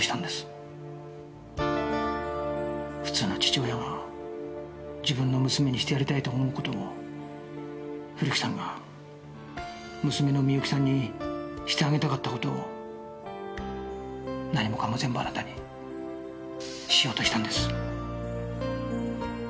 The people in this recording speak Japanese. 普通の父親が自分の娘にしてやりたいと思う事を古木さんが娘の美雪さんにしてあげたかった事を何もかも全部あなたにしようとしたんです。